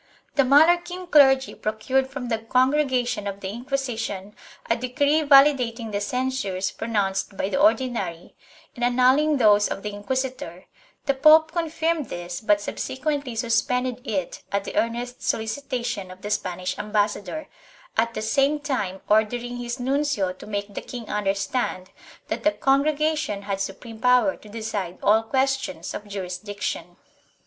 The Mallorquin clergy procured from the Congregation of the Inquisition a decree validating the censures pronounced by the Ordinary and annulling those of the inquisitor; the pope confirmed this but subsequently suspended it at the earnest solicitation of the Spanish ambassador, at the same time ordering his nuncio to make the king understand that the Con gregation had supreme power to decide all questions of jurisdic tion.